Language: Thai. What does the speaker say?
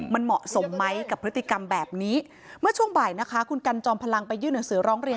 มันเหมาะสมไหมกับพฤติกรรมแบบนี้